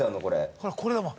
ほらこれだもん。